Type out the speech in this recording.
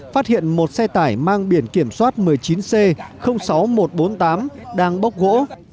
phát hiện một xe tải mang biển kiểm soát một mươi chín c sáu nghìn một trăm bốn mươi tám đang bốc gỗ